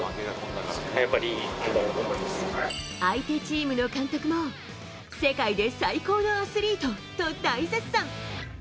相手チームの監督も世界で最高のアスリートと大絶賛。